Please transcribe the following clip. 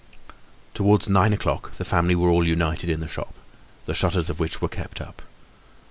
Towards nine o'clock the family were all united in the shop, the shutters of which were kept up.